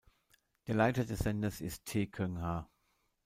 Der Leiter des Senders ist Tae Keung-ha.